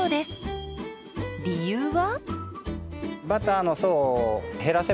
理由は。